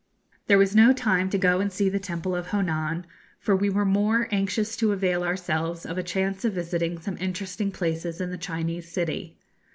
There was no time to go and see the temple of Honan, for we were more anxious to avail ourselves of a chance of visiting some interesting places in the Chinese city.